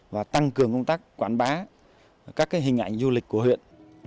và tăng cường công tác quảng bá các hình ảnh du lịch của huyện